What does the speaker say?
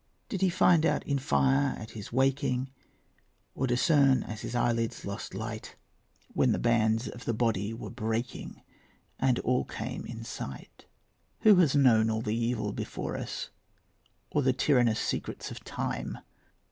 Did he find out in fire at his waking, Or discern as his eyelids lost light, When the bands of the body were breaking And all came in sight? Who has known all the evil before us, Or the tyrannous secrets of time?